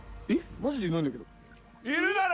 マジでいないんだけどいるだろ？